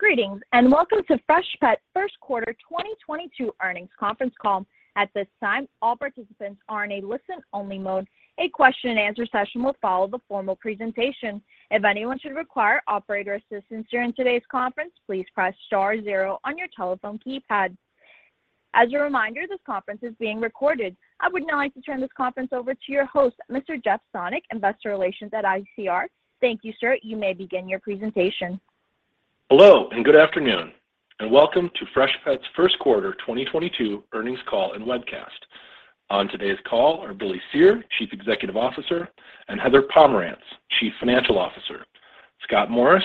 Greetings, and welcome to Freshpet first quarter 2022 earnings conference call. At this time, all participants are in a listen-only mode. A question and answer session will follow the formal presentation. If anyone should require operator assistance during today's conference, please press star zero on your telephone keypad. As a reminder, this conference is being recorded. I would now like to turn this conference over to your host, Mr. Jeff Sonnek, investor relations at ICR. Thank you sir. You may begin your presentation. Hello, and good afternoon, and welcome to Freshpet's first quarter 2022 earnings call and webcast. On today's call are Billy Cyr, Chief Executive Officer; and Heather Pomerantz, Chief Financial Officer. Scott Morris,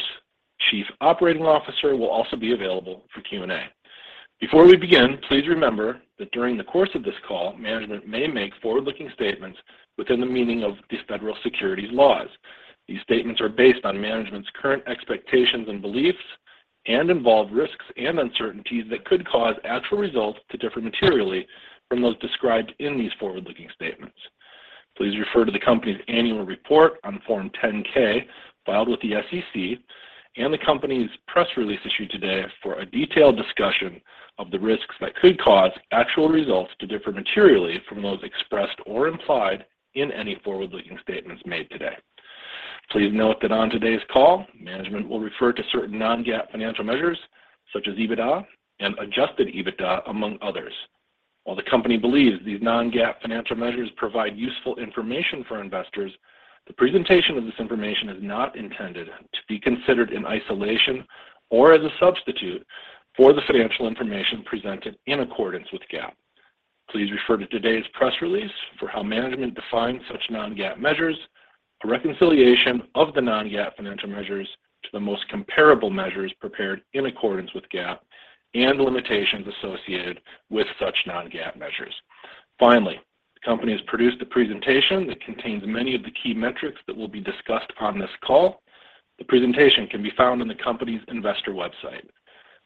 Chief Operating Officer, will also be available for Q&A. Before we begin, please remember that during the course of this call, management may make forward-looking statements within the meaning of the federal securities laws. These statements are based on management's current expectations and beliefs and involve risks and uncertainties that could cause actual results to differ materially from those described in these forward-looking statements. Please refer to the company's annual report on Form 10-K filed with the SEC and the company's press release issued today for a detailed discussion of the risks that could cause actual results to differ materially from those expressed or implied in any forward-looking statements made today. Please note that on today's call, management will refer to certain non-GAAP financial measures, such as EBITDA and adjusted EBITDA, among others. While the company believes these non-GAAP financial measures provide useful information for investors, the presentation of this information is not intended to be considered in isolation or as a substitute for the financial information presented in accordance with GAAP. Please refer to today's press release for how management defines such non-GAAP measures, a reconciliation of the non-GAAP financial measures to the most comparable measures prepared in accordance with GAAP, and limitations associated with such non-GAAP measures. Finally, the company has produced a presentation that contains many of the key metrics that will be discussed on this call. The presentation can be found on the company's investor website.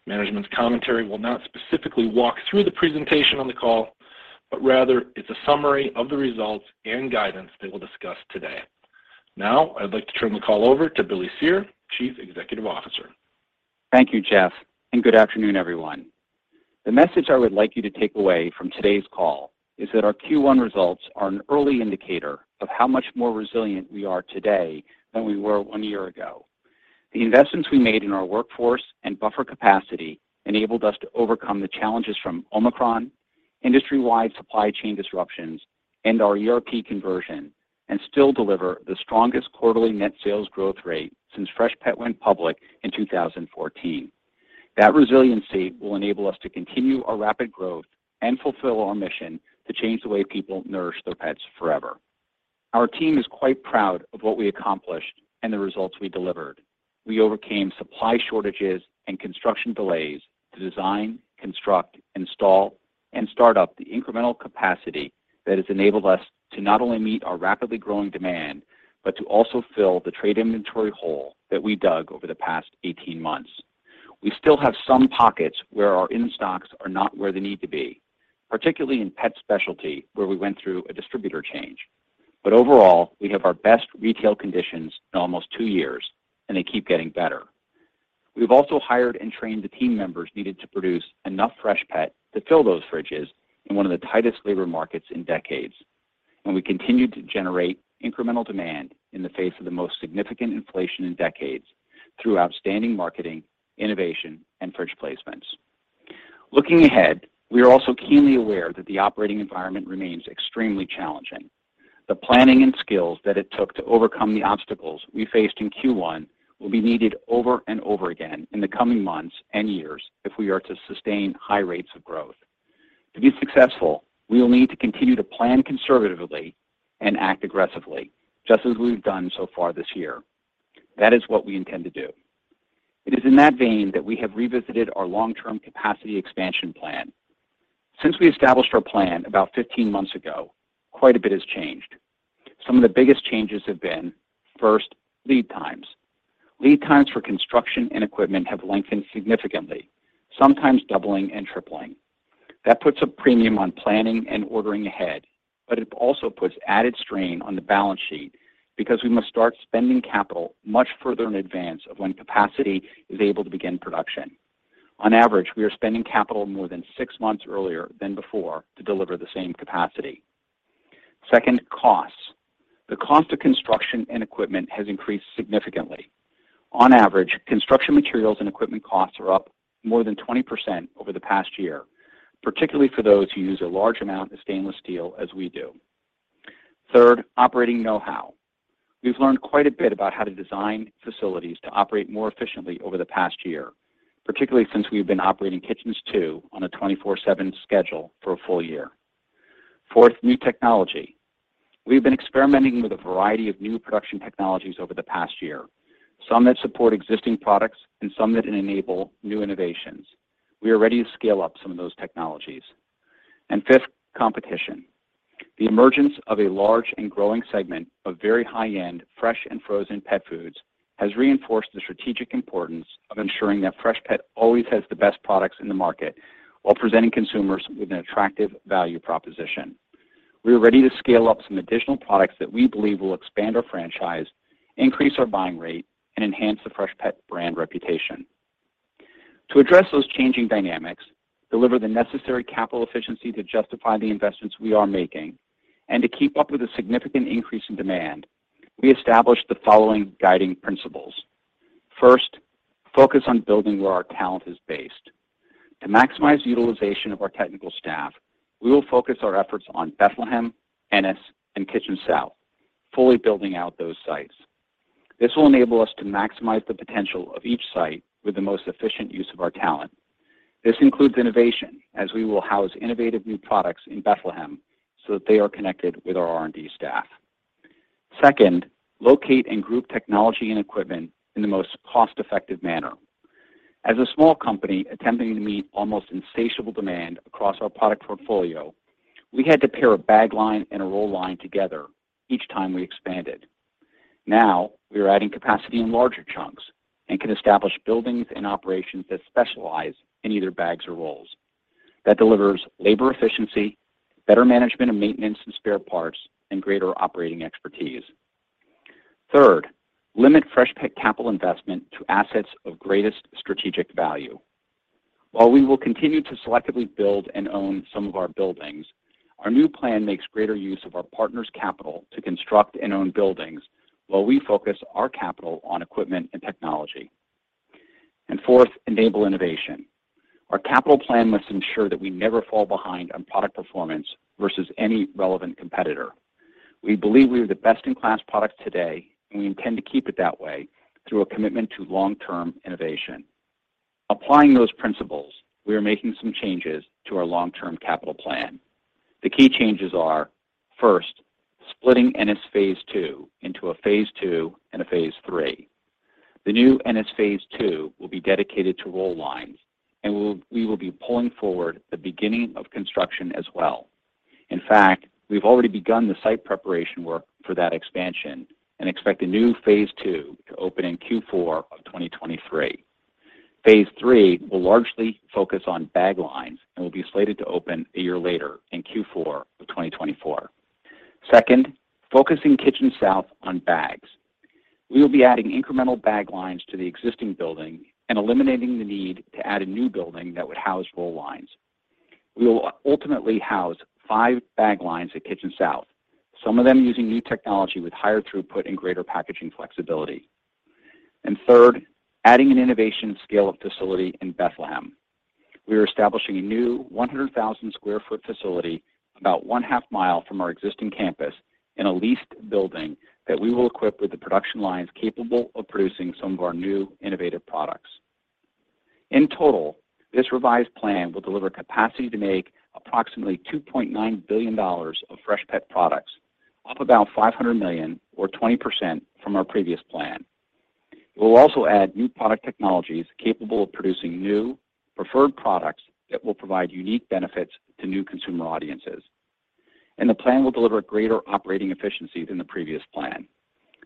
Management's commentary will not specifically walk through the presentation on the call, but rather it's a summary of the results and guidance they will discuss today. Now, I'd like to turn the call over to Billy Cyr, Chief Executive Officer. Thank you Jeff, and good afternoon everyone. The message I would like you to take away from today's call is that our Q1 results are an early indicator of how much more resilient we are today than we were one year ago. The investments we made in our workforce and buffer capacity enabled us to overcome the challenges from Omicron, industry-wide supply chain disruptions, and our ERP conversion and still deliver the strongest quarterly net sales growth rate since Freshpet went public in 2014. That resiliency will enable us to continue our rapid growth and fulfill our mission to change the way people nourish their pets forever. Our team is quite proud of what we accomplished and the results we delivered. We overcame supply shortages and construction delays to design, construct, install, and start up the incremental capacity that has enabled us to not only meet our rapidly growing demand, but to also fill the trade inventory hole that we dug over the past 18 months. We still have some pockets where our in-stocks are not where they need to be, particularly in pet specialty, where we went through a distributor change. Overall, we have our best retail conditions in almost two years, and they keep getting better. We've also hired and trained the team members needed to produce enough Freshpet to fill those fridges in one of the tightest labor markets in decades, and we continue to generate incremental demand in the face of the most significant inflation in decades through outstanding marketing, innovation, and fridge placements. Looking ahead, we are also keenly aware that the operating environment remains extremely challenging. The planning and skills that it took to overcome the obstacles we faced in Q1 will be needed over and over again in the coming months and years if we are to sustain high rates of growth. To be successful, we will need to continue to plan conservatively and act aggressively, just as we've done so far this year. That is what we intend to do. It is in that vein that we have revisited our long-term capacity expansion plan. Since we established our plan about 15 months ago, quite a bit has changed. Some of the biggest changes have been, first, lead times. Lead times for construction and equipment have lengthened significantly, sometimes doubling and tripling. That puts a premium on planning and ordering ahead, but it also puts added strain on the balance sheet because we must start spending capital much further in advance of when capacity is able to begin production. On average, we are spending capital more than six months earlier than before to deliver the same capacity. Second: Costs. The cost of construction and equipment has increased significantly. On average, construction materials and equipment costs are up more than 20% over the past year, particularly for those who use a large amount of stainless steel as we do. Third: Operating know-how. We've learned quite a bit about how to design facilities to operate more efficiently over the past year, particularly since we've been operating Kitchens Two on a 24/7 schedule for a full year. Fourth: New technology. We've been experimenting with a variety of new production technologies over the past year, some that support existing products and some that enable new innovations. We are ready to scale up some of those technologies. Fift: Competition. The emergence of a large and growing segment of very high-end fresh and frozen pet foods has reinforced the strategic importance of ensuring that Freshpet always has the best products in the market while presenting consumers with an attractive value proposition. We are ready to scale up some additional products that we believe will expand our franchise, increase our buying rate, and enhance the Freshpet brand reputation. To address those changing dynamics, deliver the necessary capital efficiency to justify the investments we are making, and to keep up with a significant increase in demand, we established the following guiding principles. First, focus on building where our talent is based. To maximize utilization of our technical staff, we will focus our efforts on Bethlehem, Ennis, and Kitchen South, fully building out those sites. This will enable us to maximize the potential of each site with the most efficient use of our talent. This includes innovation, as we will house innovative new products in Bethlehem so that they are connected with our R&D staff. Second, locate and group technology and equipment in the most cost-effective manner. As a small company attempting to meet almost insatiable demand across our product portfolio, we had to pair a bag line and a roll line together each time we expanded. Now, we are adding capacity in larger chunks and can establish buildings and operations that specialize in either bags or rolls. That delivers labor efficiency, better management of maintenance and spare parts, and greater operating expertise. Third: Limit Freshpet capital investment to assets of greatest strategic value. While we will continue to selectively build and own some of our buildings, our new plan makes greater use of our partners' capital to construct and own buildings while we focus our capital on equipment and technology. Fourth: Enable innovation. Our capital plan must ensure that we never fall behind on product performance versus any relevant competitor. We believe we have the best-in-class product today, and we intend to keep it that way through a commitment to long-term innovation. Applying those principles, we are making some changes to our long-term capital plan. The key changes are first, splitting Ennis phase II into a phase II and a phase III. The new Ennis phase II will be dedicated to roll lines, and we will be pulling forward the beginning of construction as well. In fact, we've already begun the site preparation work for that expansion and expect a new phase II to open in Q4 of 2023. Phase III will largely focus on bag lines and will be slated to open a year later in Q4 of 2024. Second, focusing Kitchen South on bags. We will be adding incremental bag lines to the existing building and eliminating the need to add a new building that would house roll lines. We will ultimately house five bag lines at Kitchen South, some of them using new technology with higher throughput and greater packaging flexibility. Third: adding an innovation scale-up facility in Bethlehem. We are establishing a new 100,000 sq ft facility about one half mile from our existing campus in a leased building that we will equip with the production lines capable of producing some of our new innovative products. In total, this revised plan will deliver capacity to make approximately $2.9 billion of Freshpet products, up about $500 million or 20% from our previous plan. It will also add new product technologies capable of producing new preferred products that will provide unique benefits to new consumer audiences. The plan will deliver greater operating efficiency than the previous plan.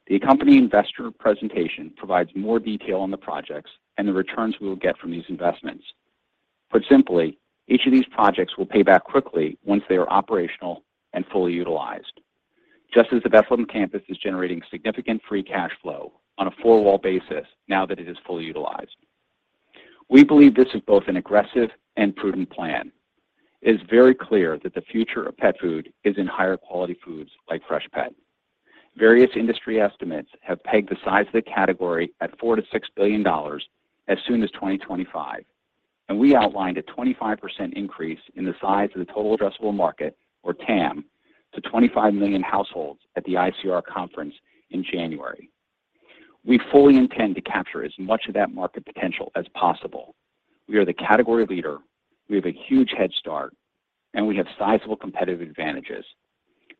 The accompanying investor presentation provides more detail on the projects and the returns we will get from these investments. Put simply, each of these projects will pay back quickly once they are operational and fully utilized, just as the Bethlehem campus is generating significant free cash flow on a four-wall basis now that it is fully utilized. We believe this is both an aggressive and prudent plan. It is very clear that the future of pet food is in higher quality foods like Freshpet. Various industry estimates have pegged the size of the category at $4 billion-$6 billion as soon as 2025, and we outlined a 25% increase in the size of the total addressable market, or TAM, to 25 million households at the ICR conference in January. We fully intend to capture as much of that market potential as possible. We are the category leader, we have a huge head start, and we have sizable competitive advantages.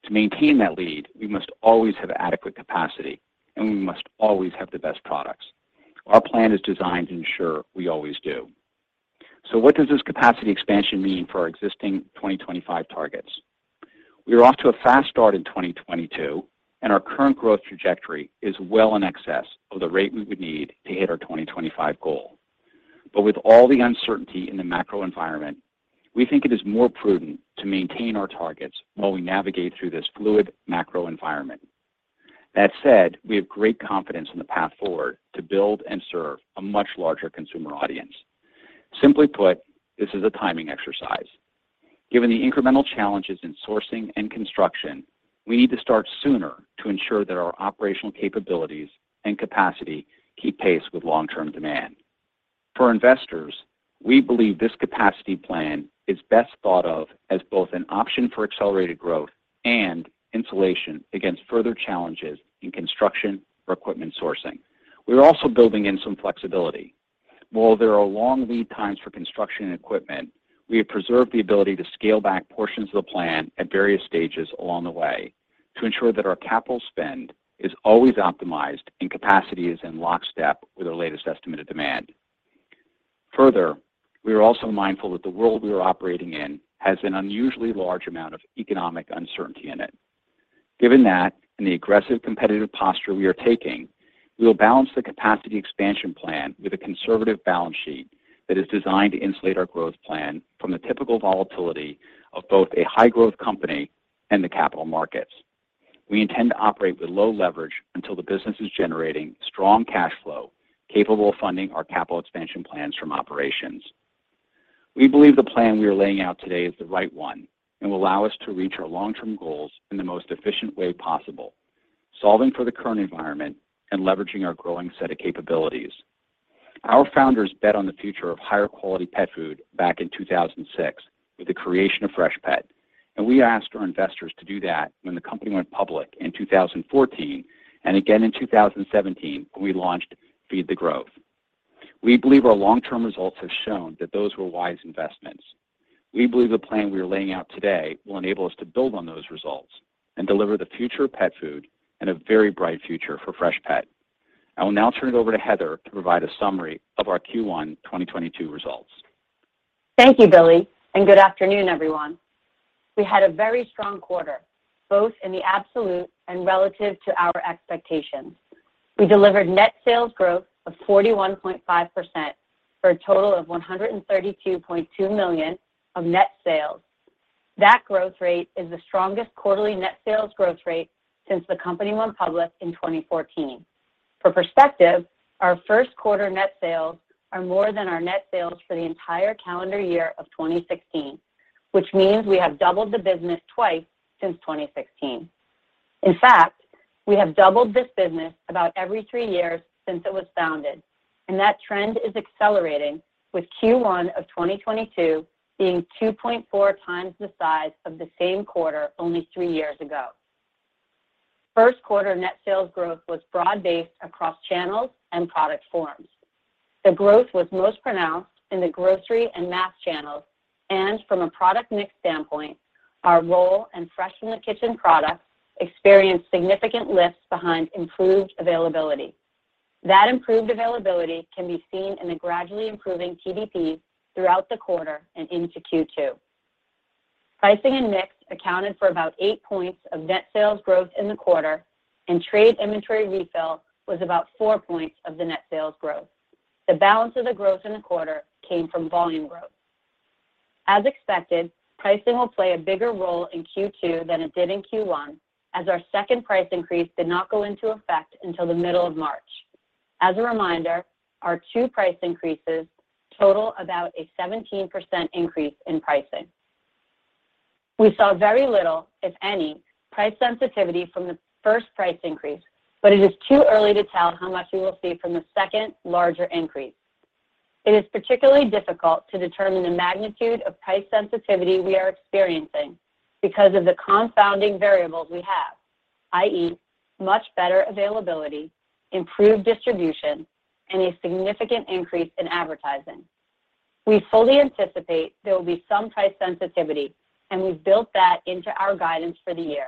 To maintain that lead, we must always have adequate capacity, and we must always have the best products. Our plan is designed to ensure we always do. What does this capacity expansion mean for our existing 2025 targets? We are off to a fast start in 2022, and our current growth trajectory is well in excess of the rate we would need to hit our 2025 goal. With all the uncertainty in the macro environment, we think it is more prudent to maintain our targets while we navigate through this fluid macro environment. That said, we have great confidence in the path forward to build and serve a much larger consumer audience. Simply put, this is a timing exercise. Given the incremental challenges in sourcing and construction, we need to start sooner to ensure that our operational capabilities and capacity keep pace with long-term demand. For investors, we believe this capacity plan is best thought of as both an option for accelerated growth and insulation against further challenges in construction or equipment sourcing. We are also building in some flexibility. While there are long lead times for construction and equipment, we have preserved the ability to scale back portions of the plan at various stages along the way to ensure that our capital spend is always optimized and capacity is in lockstep with our latest estimated demand. Further, we are also mindful that the world we are operating in has an unusually large amount of economic uncertainty in it. Given that and the aggressive competitive posture we are taking, we will balance the capacity expansion plan with a conservative balance sheet that is designed to insulate our growth plan from the typical volatility of both a high growth company and the capital markets. We intend to operate with low leverage until the business is generating strong cash flow, capable of funding our capital expansion plans from operations. We believe the plan we are laying out today is the right one and will allow us to reach our long term goals in the most efficient way possible, solving for the current environment and leveraging our growing set of capabilities. Our founders bet on the future of higher quality pet food back in 2006 with the creation of Freshpet, and we asked our investors to do that when the company went public in 2014 and again in 2017 when we launched Feed the Growth. We believe our long term results have shown that those were wise investments. We believe the plan we are laying out today will enable us to build on those results and deliver the future of pet food and a very bright future for Freshpet. I will now turn it over to Heather to provide a summary of our Q1, 2022 results. Thank you Billy, and good afternoon everyone. We had a very strong quarter, both in the absolute and relative to our expectations. We delivered net sales growth of 41.5% for a total of $132.2 million of net sales. That growth rate is the strongest quarterly net sales growth rate since the company went public in 2014. For perspective, our first quarter net sales are more than our net sales for the entire calendar year of 2016, which means we have doubled the business twice since 2016. In fact, we have doubled this business about every three years since it was founded, and that trend is accelerating, with Q1 of 2022 being 2.4 times the size of the same quarter only three years ago. First quarter net sales growth was broad-based across channels and product forms. The growth was most pronounced in the grocery and mass channels. From a product mix standpoint, our roll and Fresh From the Kitchen products experienced significant lifts behind improved availability. That improved availability can be seen in the gradually improving TDP throughout the quarter and into Q2. Pricing and mix accounted for about eight points of net sales growth in the quarter, and trade inventory refill was about four points of the net sales growth. The balance of the growth in the quarter came from volume growth. As expected, pricing will play a bigger role in Q2 than it did in Q1, as our second price increase did not go into effect until the middle of March. As a reminder, our two price increases total about a 17% increase in pricing. We saw very little, if any, price sensitivity from the first price increase, but it is too early to tell how much we will see from the second, larger increase. It is particularly difficult to determine the magnitude of price sensitivity we are experiencing because of the confounding variables we have, i.e., much better availability, improved distribution, and a significant increase in advertising. We fully anticipate there will be some price sensitivity, and we've built that into our guidance for the year.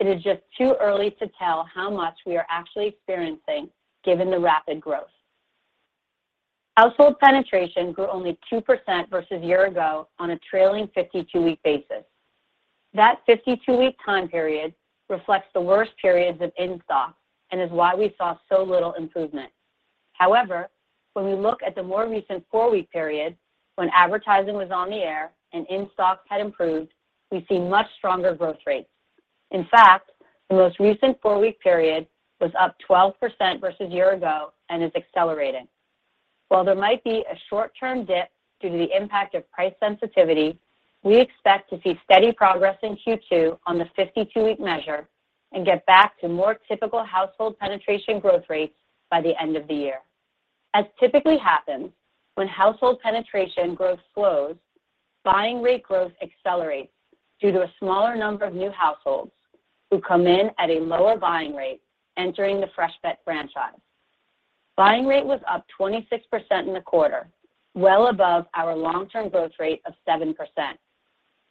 It is just too early to tell how much we are actually experiencing given the rapid growth. Household penetration grew only 2% versus year ago on a trailing 52-week basis. That 52-week time period reflects the worst periods of in-stock and is why we saw so little improvement. However, when we look at the more recent four-week period when advertising was on the air and in-stock had improved, we see much stronger growth rates. In fact, the most recent four-week period was up 12% versus year-ago and is accelerating. While there might be a short-term dip due to the impact of price sensitivity, we expect to see steady progress in Q2 on the 52-week measure and get back to more typical household penetration growth rates by the end of the year. As typically happens when household penetration growth slows, buying rate growth accelerates due to a smaller number of new households who come in at a lower buying rate entering the Freshpet franchise. Buying rate was up 26% in the quarter, well above our long-term growth rate of 7%.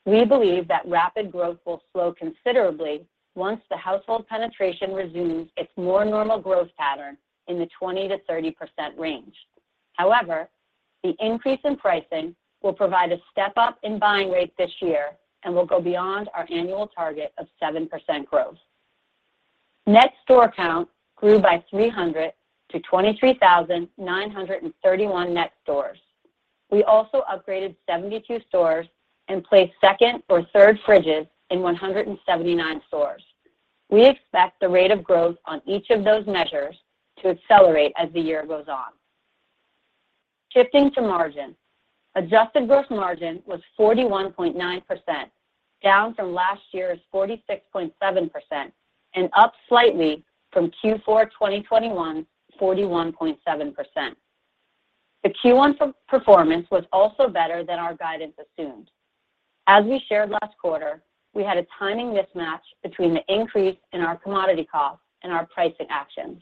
We believe that rapid growth will slow considerably once the household penetration resumes its more normal growth pattern in the 20%-30% range. However, the increase in pricing will provide a step up in buying rates this year and will go beyond our annual target of 7% growth. Net store count grew by 300 to 23,931 net stores. We also upgraded 72 stores and placed second or third fridges in 179 stores. We expect the rate of growth on each of those measures to accelerate as the year goes on. Shifting to margin. Adjusted gross margin was 41.9%, down from last year's 46.7% and up slightly from Q4 2021's 41.7%. The Q1 performance was also better than our guidance assumed. As we shared last quarter, we had a timing mismatch between the increase in our commodity costs and our pricing actions.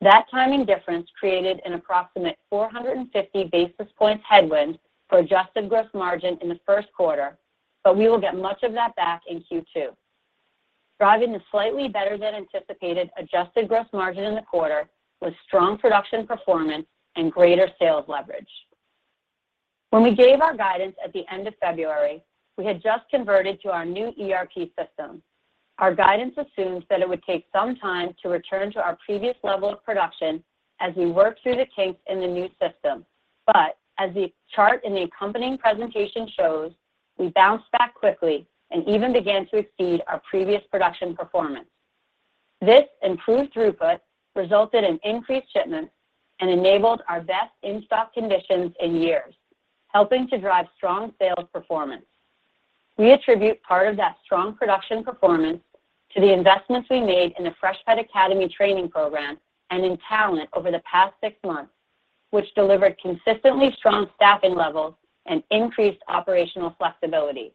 That timing difference created an approximate 450 basis points headwind for adjusted gross margin in the first quarter, but we will get much of that back in Q2. Driving the slightly better than anticipated adjusted gross margin in the quarter was strong production performance and greater sales leverage. When we gave our guidance at the end of February, we had just converted to our new ERP system. Our guidance assumes that it would take some time to return to our previous level of production as we work through the kinks in the new system. As the chart in the accompanying presentation shows, we bounced back quickly and even began to exceed our previous production performance. This improved throughput resulted in increased shipments and enabled our best in-stock conditions in years, helping to drive strong sales performance. We attribute part of that strong production performance to the investments we made in the Freshpet Academy training program and in talent over the past six months, which delivered consistently strong staffing levels and increased operational flexibility.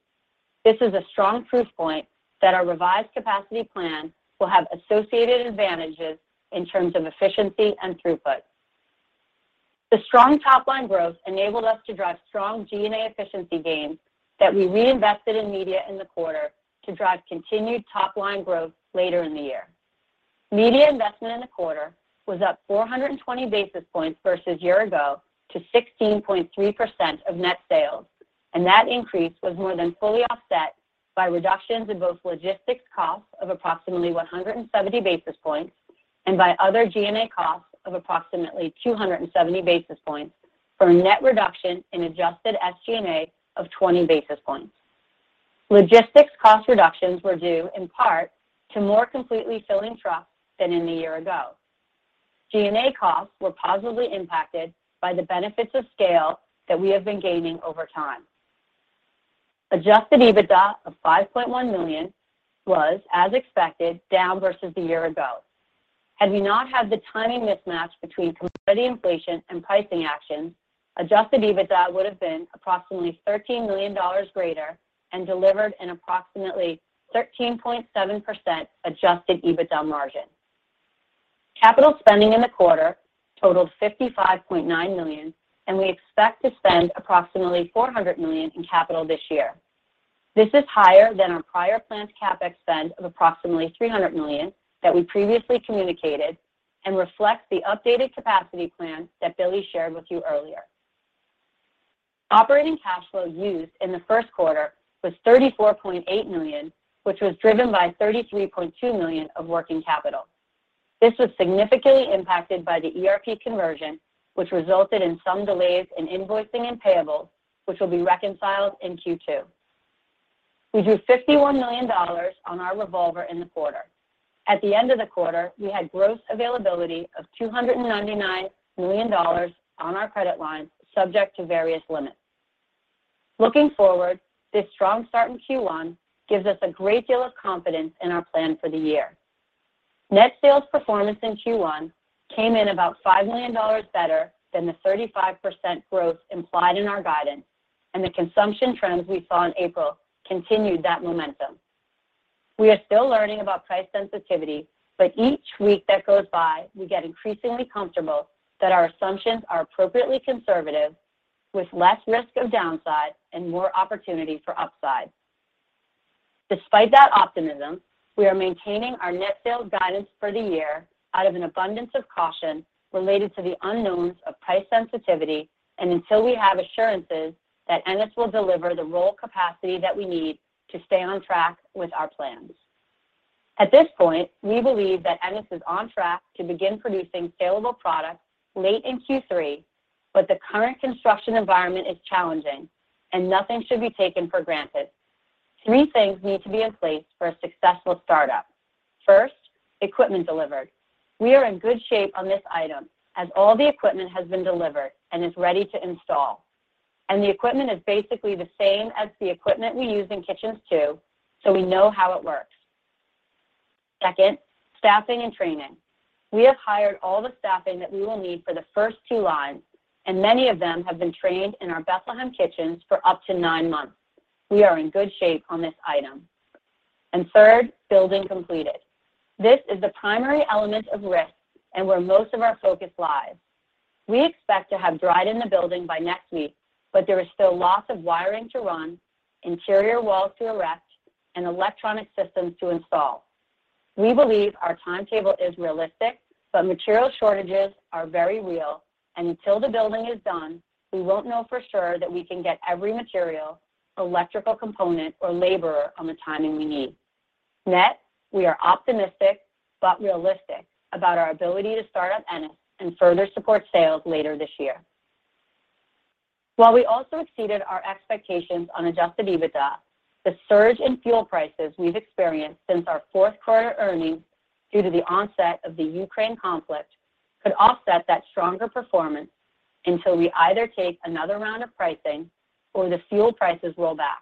This is a strong proof point that our revised capacity plan will have associated advantages in terms of efficiency and throughput. The strong top-line growth enabled us to drive strong G&A efficiency gains that we reinvested in media in the quarter to drive continued top-line growth later in the year. Media investment in the quarter was up 420 basis points versus year ago to 16.3% of net sales, and that increase was more than fully offset by reductions in both logistics costs of approximately 170 basis points and by other G&A costs of approximately 270 basis points for a net reduction in adjusted SG&A of 20 basis points. Logistics cost reductions were due in part to more completely filling trucks than in the year ago. G&A costs were positively impacted by the benefits of scale that we have been gaining over time. Adjusted EBITDA of $5.1 million was, as expected, down versus the year ago. Had we not had the timing mismatch between commodity inflation and pricing actions, adjusted EBITDA would have been approximately $13 million greater and delivered an approximately 13.7% adjusted EBITDA margin. Capital spending in the quarter totaled $55.9 million, and we expect to spend approximately $400 million in capital this year. This is higher than our prior planned CapEx spend of approximately $300 million that we previously communicated and reflects the updated capacity plan that Billy shared with you earlier. Operating cash flow used in the first quarter was $34.8 million, which was driven by $33.2 million of working capital. This was significantly impacted by the ERP conversion, which resulted in some delays in invoicing and payables, which will be reconciled in Q2. We drew $51 million on our revolver in the quarter. At the end of the quarter, we had gross availability of $299 million on our credit line, subject to various limits. Looking forward, this strong start in Q1 gives us a great deal of confidence in our plan for the year. Net sales performance in Q1 came in about $5 million better than the 35% growth implied in our guidance, and the consumption trends we saw in April continued that momentum. We are still learning about price sensitivity, but each week that goes by, we get increasingly comfortable that our assumptions are appropriately conservative with less risk of downside and more opportunity for upside. Despite that optimism, we are maintaining our net sales guidance for the year out of an abundance of caution related to the unknowns of price sensitivity and until we have assurances that Ennis will deliver the roll capacity that we need to stay on track with our plans. At this point, we believe that Ennis is on track to begin producing salable products late in Q3, but the current construction environment is challenging and nothing should be taken for granted. Three things need to be in place for a successful startup. First, equipment delivered. We are in good shape on this item as all the equipment has been delivered and is ready to install. The equipment is basically the same as the equipment we use in Kitchens Two, so we know how it works. Second, staffing and training. We have hired all the staffing that we will need for the first two lines, and many of them have been trained in our Bethlehem kitchens for up to nine months. We are in good shape on this item. Third, building completed. This is the primary element of risk and where most of our focus lies. We expect to have dried in the building by next week, but there is still lots of wiring to run, interior walls to erect, and electronic systems to install. We believe our timetable is realistic, but material shortages are very real, and until the building is done, we won't know for sure that we can get every material, electrical component, or laborer on the timing we need. Net, we are optimistic but realistic about our ability to start up Ennis and further support sales later this year. While we also exceeded our expectations on adjusted EBITDA, the surge in fuel prices we've experienced since our fourth quarter earnings due to the onset of the Ukraine conflict could offset that stronger performance until we either take another round of pricing or the fuel prices roll back.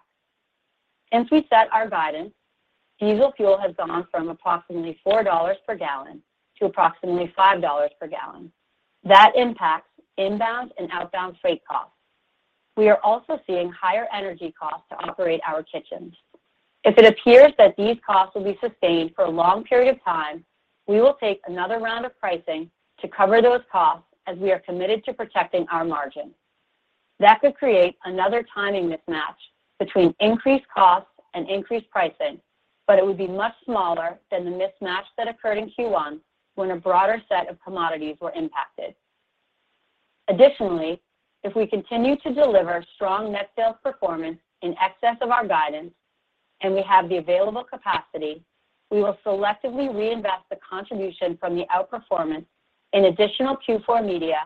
Since we set our guidance, diesel fuel has gone from approximately $4 per gallon to approximately $5 per gallon. That impacts inbound and outbound freight costs. We are also seeing higher energy costs to operate our kitchens. If it appears that these costs will be sustained for a long period of time, we will take another round of pricing to cover those costs as we are committed to protecting our margin. That could create another timing mismatch between increased costs and increased pricing. It would be much smaller than the mismatch that occurred in Q1 when a broader set of commodities were impacted. Additionally, if we continue to deliver strong net sales performance in excess of our guidance and we have the available capacity, we will selectively reinvest the contribution from the outperformance in additional Q4 media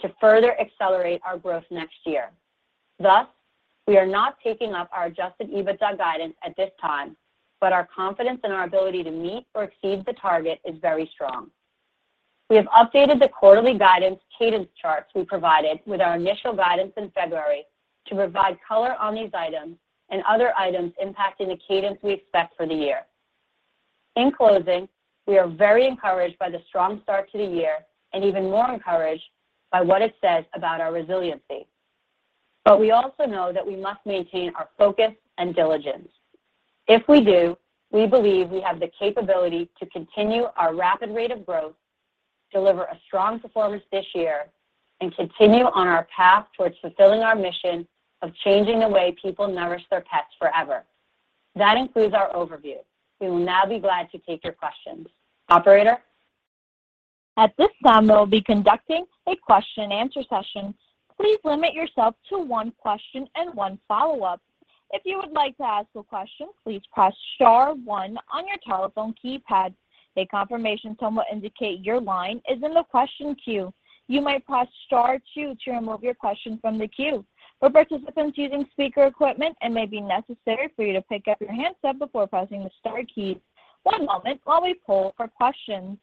to further accelerate our growth next year. Thus, we are not taking up our adjusted EBITDA guidance at this time, but our confidence in our ability to meet or exceed the target is very strong. We have updated the quarterly guidance cadence charts we provided with our initial guidance in February to provide color on these items and other items impacting the cadence we expect for the year. In closing, we are very encouraged by the strong start to the year and even more encouraged by what it says about our resiliency. We also know that we must maintain our focus and diligence. If we do, we believe we have the capability to continue our rapid rate of growth, deliver a strong performance this year and continue on our path towards fulfilling our mission of changing the way people nourish their pets forever. That includes our overview. We will now be glad to take your questions. Operator? At this time, we'll be conducting a question and answer session. Please limit yourself to one question and one follow-up. If you would like to ask a question, please press star one on your telephone keypad. A confirmation tone will indicate your line is in the question queue. You may press star two to remove your question from the queue. For participants using speaker equipment, it may be necessary for you to pick up your handset before pressing the star key. One moment while we poll for questions.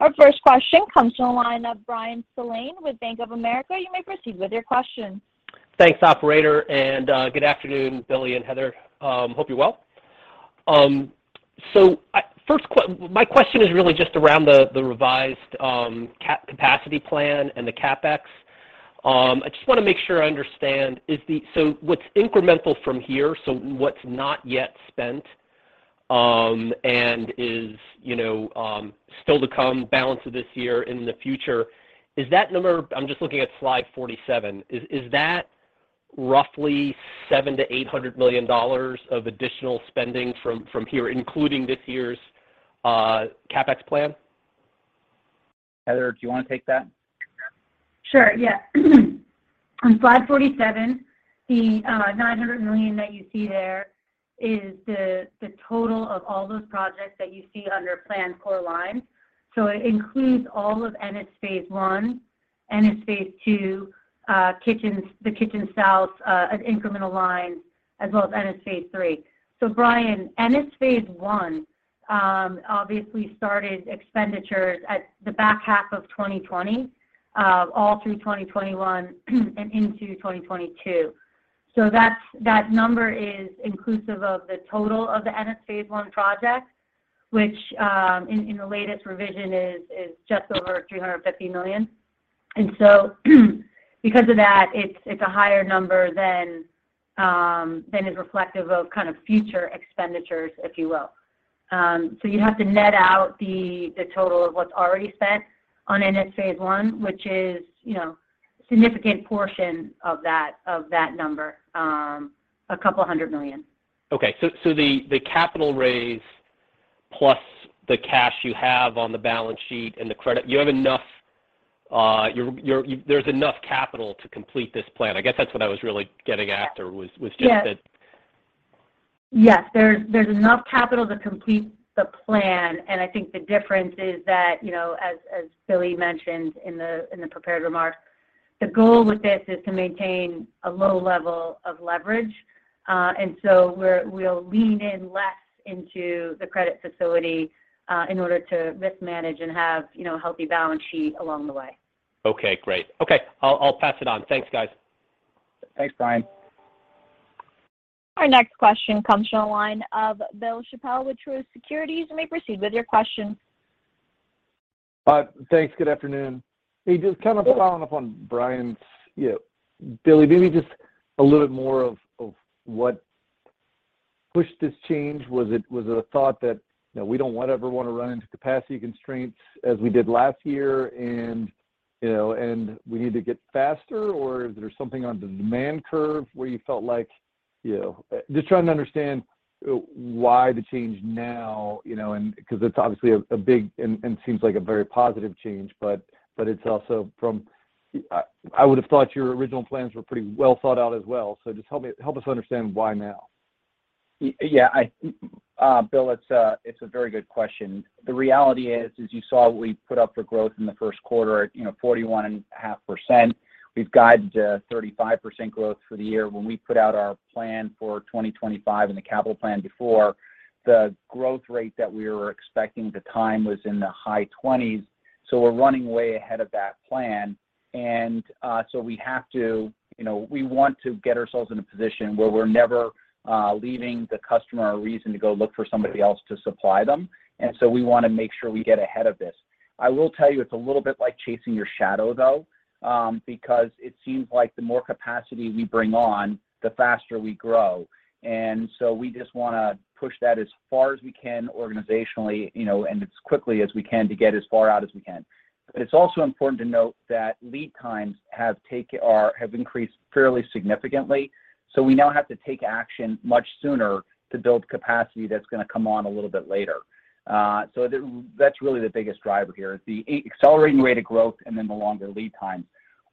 Our first question comes from the line of Bryan Spillane with Bank of America. You may proceed with your question. Thanks operator, and good afternoon, Billy and Heather. Hope you're well. My question is really just around the revised capacity plan and the CapEx. I just wanna make sure I understand. So what's incremental from here, so what's not yet spent, and is, you know, still to come balance of this year in the future, is that number, I'm just looking at slide 47. Is that roughly $700 million-$800 million of additional spending from here, including this year's CapEx plan? Heather, do you wanna take that? Sure, yeah. On slide 47, the $900 million that you see there is the total of all those projects that you see under planned core line. It includes all of Ennis phase I, Ennis phase II, kitchens, the Kitchen South, an incremental line, as well as Ennis phase III. Bryan, Ennis phase I obviously started expenditures at the back half of 2020, all through 2021 and into 2022. That's that number is inclusive of the total of the Ennis phase I project, which in the latest revision is just over $350 million. Because of that, it's a higher number than is reflective of kind of future expenditures, if you will. You have to net out the total of what's already spent on Ennis phase I, which is you know, significant portion of that number, $200 million. Okay. The capital raise plus the cash you have on the balance sheet and the credit, you have enough, there's enough capital to complete this plan. I guess that's what I was really getting after was just that. Yes. There's enough capital to complete the plan, and I think the difference is that, you know, as Billy mentioned in the prepared remarks, the goal with this is to maintain a low level of leverage, and so we'll lean less into the credit facility, in order to manage and have, you know, a healthy balance sheet along the way. Okay, great. Okay. I'll pass it on. Thanks guys. Thanks Brian. Our next question comes from the line of Bill Chappell with Truist Securities. You may proceed with your question. Thanks. Good afternoon. Hey, just kind of following up on Bryan's, you know, Billy, maybe just a little bit more of what pushed this change. Was it a thought that, you know, we don't want to ever wanna run into capacity constraints as we did last year and, you know, and we need to get faster, or is there something on the demand curve where you felt like, you know. Just trying to understand why the change now, you know, and because it's obviously a big and seems like a very positive change, but it's also from. I would have thought your original plans were pretty well thought out as well. Just help me, help us understand why now. Yeah. I think Bill, it's a very good question. The reality is, as you saw, we put up for growth in the first quarter at, you know, 41.5%. We've guided 35% growth for the year. When we put out our plan for 2025 and the capital plan before, the growth rate that we were expecting at the time was in the high 20s, so we're running way ahead of that plan. We have to, you know, we want to get ourselves in a position where we're never leaving the customer a reason to go look for somebody else to supply them. We wanna make sure we get ahead of this. I will tell you it's a little bit like chasing your shadow though, because it seems like the more capacity we bring on, the faster we grow. We just wanna push that as far as we can organizationally, you know, and as quickly as we can to get as far out as we can. It's also important to note that lead times have increased fairly significantly, so we now have to take action much sooner to build capacity that's gonna come on a little bit later. That's really the biggest driver here, the accelerating rate of growth and then the longer lead times.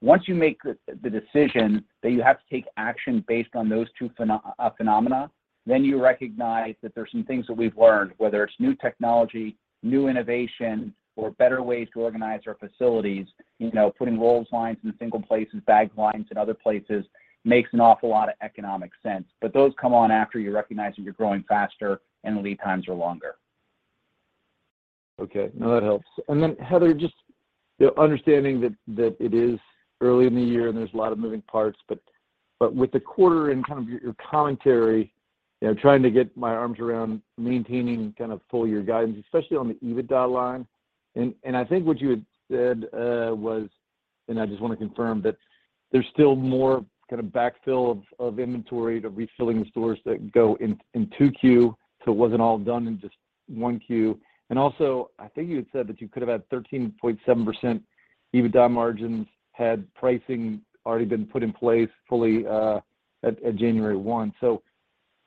Once you make the decision that you have to take action based on those two phenomena, then you recognize that there's some things that we've learned, whether it's new technology, new innovation or better ways to organize our facilities. You know, putting roll lines in single places, bag lines in other places makes an awful lot of economic sense. Those come on after you recognize that you're growing faster and the lead times are longer. Okay. No, that helps. Heather just you know, understanding that it is early in the year and there's a lot of moving parts, but with the quarter and kind of your commentary, you know, trying to get my arms around maintaining kind of full year guidance, especially on the EBITDA line. I think what you had said was, and I just wanna confirm that there's still more kinda backfill of inventory to refilling the stores that go in 2Q, so it wasn't all done in just 1Q. Also, I think you had said that you could have had 13.7% EBITDA margins had pricing already been put in place fully at January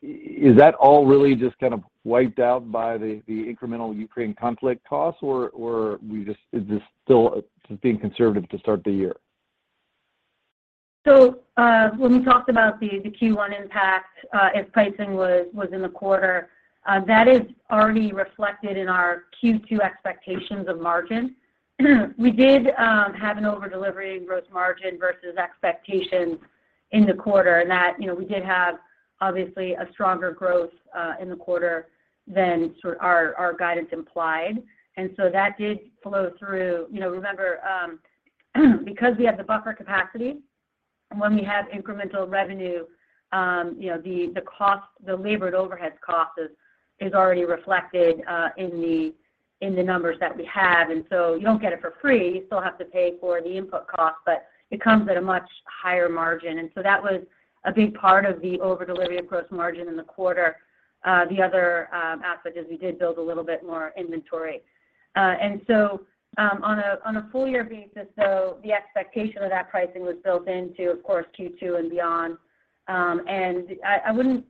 1. Is that all really just kind of wiped out by the incremental Ukraine conflict costs, or is this still just being conservative to start the year? When we talked about the Q1 impact, if pricing was in the quarter, that is already reflected in our Q2 expectations of margin. We did have an over-delivery in gross margin versus expectations in the quarter and that, you know, we did have obviously a stronger growth in the quarter than sort of our guidance implied. That did flow through. You know, remember, because we have the buffer capacity, when we have incremental revenue, you know, the labor overhead cost is already reflected in the numbers that we have. You don't get it for free, you still have to pay for the input cost, but it comes at a much higher margin. That was a big part of the over-delivery of gross margin in the quarter. The other aspect is we did build a little bit more inventory. On a full year basis, the expectation of that pricing was built into, of course, Q2 and beyond. I wouldn't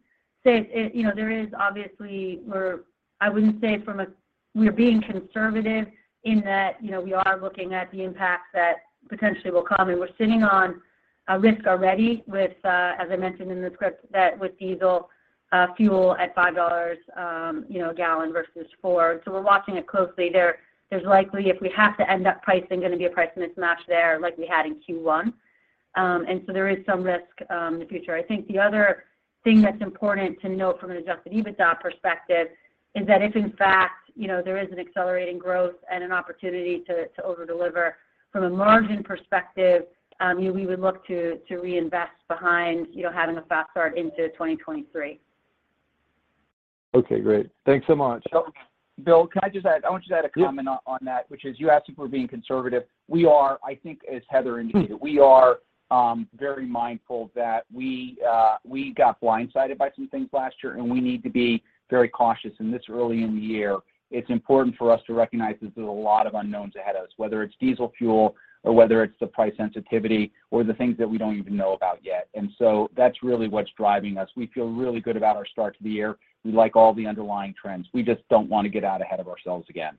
say it. You know, there is obviously. We're being conservative in that, you know, we are looking at the impacts that potentially will come. We're sitting on a risk already with, as I mentioned in the script, that with diesel fuel at $5 a gallon versus $4. You know, we're watching it closely. There's likely, if we have to end up pricing, gonna be a price mismatch there like we had in Q1. There is some risk in the future. I think the other thing that's important to note from an adjusted EBITDA perspective is that if in fact, you know, there is an accelerating growth and an opportunity to over-deliver from a margin perspective, you know, we would look to reinvest behind, you know, having a fast start into 2023. Okay, great. Thanks so much. Bill, can I just add? I want you to add a comment on that, which is you asked if we're being conservative. We are. I think as Heather indicated, we are very mindful that we got blindsided by some things last year, and we need to be very cautious. This early in the year, it's important for us to recognize that there's a lot of unknowns ahead of us, whether it's diesel fuel or whether it's the price sensitivity or the things that we don't even know about yet. That's really what's driving us. We feel really good about our start to the year. We like all the underlying trends. We just don't wanna get out ahead of ourselves again.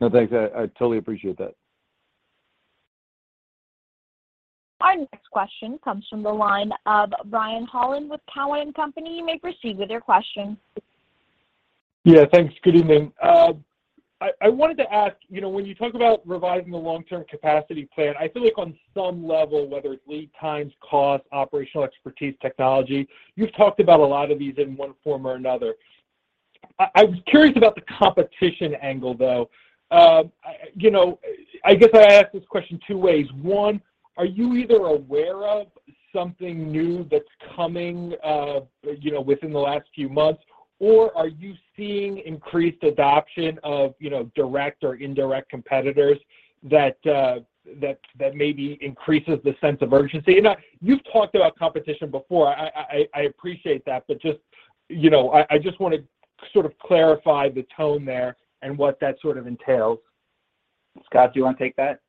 No, thanks. I totally appreciate that. Our next question comes from the line of Brian Holland with Cowen and Company. You may proceed with your question. Yeah, thanks. Good evening. I wanted to ask you know, when you talk about revising the long-term capacity plan, I feel like on some level, whether it's lead times, cost, operational expertise, technology, you've talked about a lot of these in one form or another. I'm curious about the competition angle though. You know, I guess I ask this question two ways. One, are you either aware of something new that's coming, you know, within the last few months, or are you seeing increased adoption of, you know, direct or indirect competitors that maybe increases the sense of urgency? You've talked about competition before. I appreciate that, but just, you know, I just wanna sort of clarify the tone there and what that sort of entails. Scott, do you wanna take that?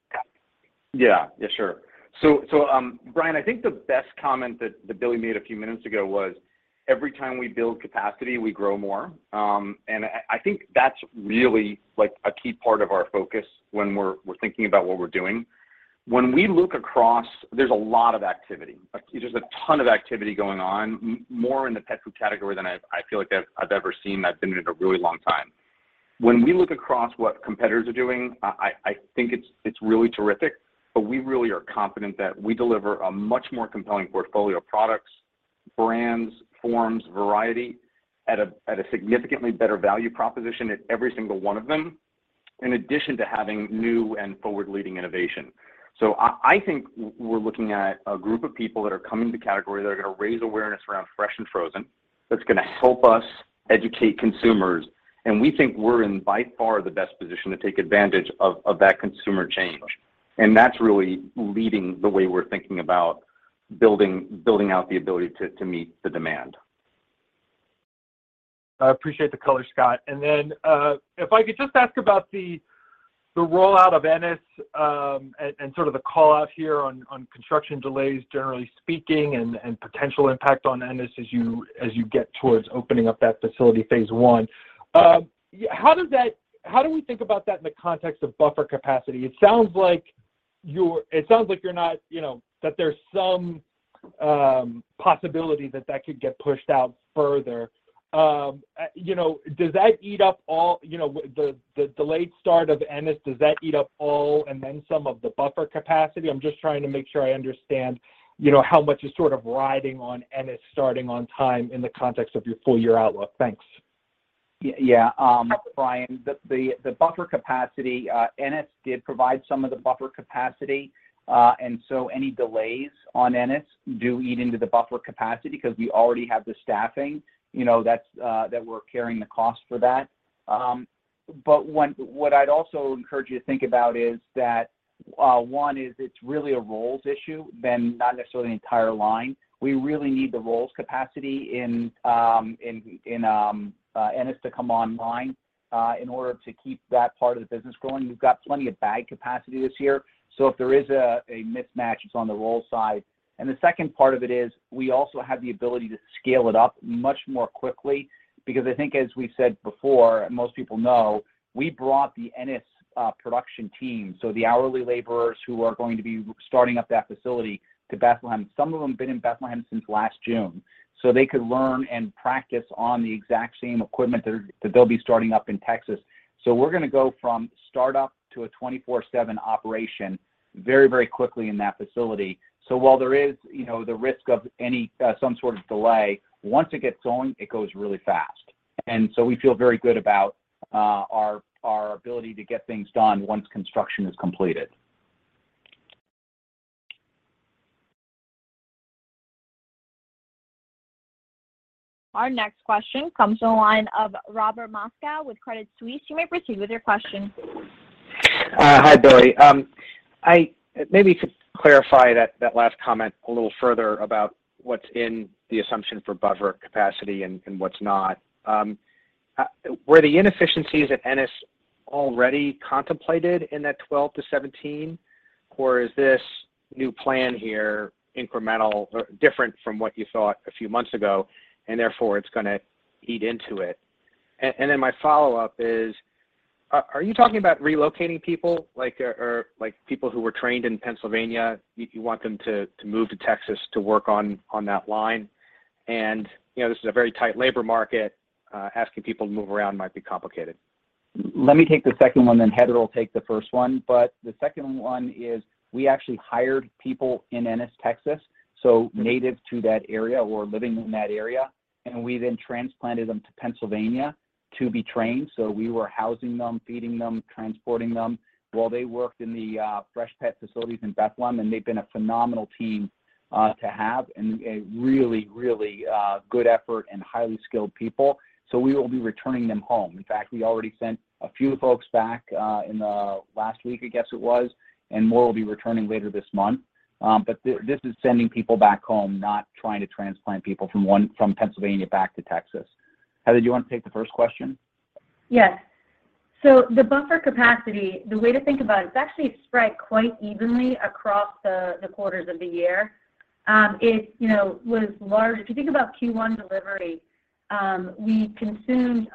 Yeah. Yeah, sure. Brian, I think the best comment that Billy made a few minutes ago was every time we build capacity, we grow more. I think that's really, like, a key part of our focus when we're thinking about what we're doing. When we look across, there's a lot of activity. Like, there's a ton of activity going on more in the pet food category than I feel like I've ever seen. I've been in it a really long time. When we look across what competitors are doing, I think it's really terrific, but we really are confident that we deliver a much more compelling portfolio of products, brands, forms, variety at a significantly better value proposition at every single one of them, in addition to having new and forward-leading innovation. I think we're looking at a group of people that are coming to the category that are gonna raise awareness around fresh and frozen, that's gonna help us educate consumers, and we think we're in by far the best position to take advantage of that consumer change. That's really leading the way we're thinking about building out the ability to meet the demand. I appreciate the color Scott. If I could just ask about the rollout of Ennis, and sort of the call out here on construction delays, generally speaking and potential impact on Ennis as you get towards opening up that facility phase I. How do we think about that in the context of buffer capacity? It sounds like you're not, you know, that there's some possibility that that could get pushed out further. You know, does that eat up all, you know, the delayed start of Ennis, does that eat up all and then some of the buffer capacity? I'm just trying to make sure I understand, you know, how much is sort of riding on Ennis starting on time in the context of your full year outlook. Thanks. Yeah. Brian, the buffer capacity, Ennis did provide some of the buffer capacity, and so any delays on Ennis do eat into the buffer capacity because we already have the staffing, you know, that's that we're carrying the cost for that. But what I'd also encourage you to think about is that, one is it's really a roll issue rather than not necessarily an entire line. We really need the roll capacity in Ennis to come online, in order to keep that part of the business growing. We've got plenty of bag capacity this year. If there is a mismatch, it's on the roll side. The second part of it is we also have the ability to scale it up much more quickly because I think as we said before, most people know, we brought the Ennis production team, so the hourly laborers who are going to be starting up that facility to Bethlehem. Some of them have been in Bethlehem since last June, so they could learn and practice on the exact same equipment that they'll be starting up in Texas. So we're gonna go from start up to a 24/7 operation very, very quickly in that facility. So while there is, you know, the risk of any, some sort of delay, once it gets going, it goes really fast. And so we feel very good about our ability to get things done once construction is completed. Our next question comes from the line of Robert Moskow with Credit Suisse. You may proceed with your question. Hi Billy. Maybe to clarify that last comment a little further about what's in the assumption for buffer capacity and what's not. Were the inefficiencies at Ennis already contemplated in that 12-17, or is this new plan here incremental or different from what you thought a few months ago, and therefore it's gonna eat into it? My follow-up is, are you talking about relocating people, like, or like people who were trained in Pennsylvania, you want them to move to Texas to work on that line? You know, this is a very tight labor market, asking people to move around might be complicated. Let me take the second one, then Heather will take the first one. The second one is we actually hired people in Ennis, Texas, so native to that area or living in that area. We then transplanted them to Pennsylvania to be trained. We were housing them, feeding them, transporting them while they worked in the Freshpet facilities in Bethlehem. They've been a phenomenal team to have and a really, really good effort and highly skilled people. We will be returning them home. In fact, we already sent a few folks back in the last week, I guess it was, and more will be returning later this month. This is sending people back home, not trying to transplant people from Pennsylvania back to Texas. Heather, do you want to take the first question? Yes. The buffer capacity, the way to think about it's actually spread quite evenly across the quarters of the year. It, you know, was large. If you think about Q1 delivery, we consumed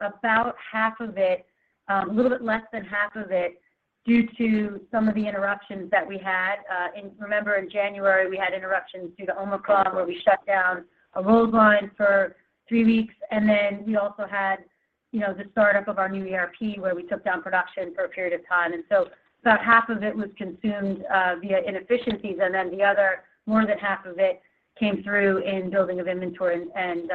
about half of it, a little bit less than half of it due to some of the interruptions that we had. Remember in January, we had interruptions due to Omicron, where we shut down a roll line for three weeks. Then we also had, you know, the startup of our new ERP, where we took down production for a period of time. About half of it was consumed via inefficiencies, and then the other more than half of it came through in building of inventory and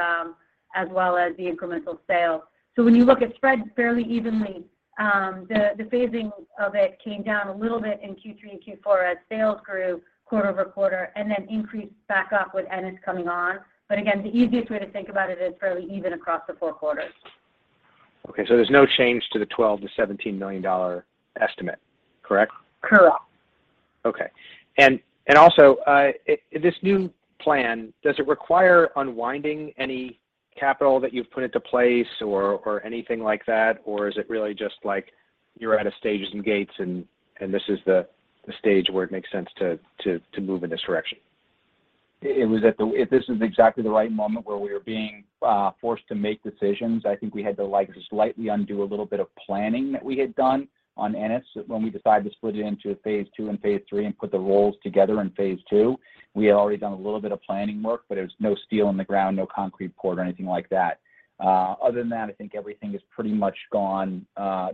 as well as the incremental sale. When you look, it spreads fairly evenly. The phasing of it came down a little bit in Q3 and Q4 as sales grew quarter-over-quarter and then increased back up with Ennis coming on. Again, the easiest way to think about it is fairly even across the four quarters. Okay. There's no change to the $12 million-$17 million estimate, correct? Correct. Okay. This new plan, does it require unwinding any capital that you've put into place or anything like that? Or is it really just like you're out of stages and gates and this is the stage where it makes sense to move in this direction? This is exactly the right moment where we were being forced to make decisions. I think we had to, like, slightly undo a little bit of planning that we had done on Ennis when we decided to split it into a phase II and phase III and put the rolls together in phase II. We had already done a little bit of planning work, but there was no steel in the ground, no concrete poured or anything like that. Other than that, I think everything is pretty much gone.